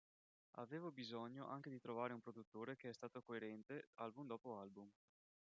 Avevo bisogno anche di trovare un produttore che è stato coerente, album dopo album.